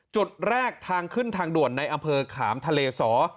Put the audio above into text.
จุดแรกทางขึ้นทางด่วนในอำเภอขามทะเลสอ